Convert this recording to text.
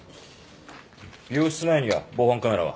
病室前には防犯カメラは？